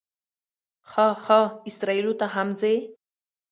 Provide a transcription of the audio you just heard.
ښه ښه، اسرائیلو ته هم ځې.